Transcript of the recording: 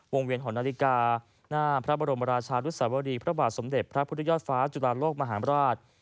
เวียนหอนาฬิกาหน้าพระบรมราชานุสวรีพระบาทสมเด็จพระพุทธยอดฟ้าจุฬาโลกมหาราช